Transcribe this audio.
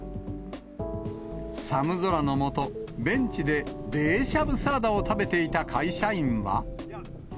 寒空の下、ベンチで冷しゃぶサラダを食べていた会社員は。